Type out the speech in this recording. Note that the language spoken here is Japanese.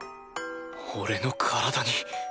俺の体に。